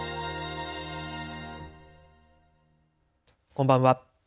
こんばんは。